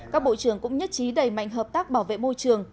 các bộ trưởng cũng nhất trí đẩy mạnh hợp tác bảo vệ môi trường